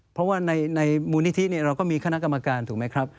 เพราะว่าในมูลนิธิเราก็มีคณะกรรมการถูกไหมครับ